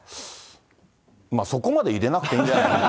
そこまで入れなくていいんじゃないかな。